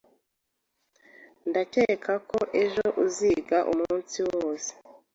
Ndakeka ko ejo uziga umunsi wose.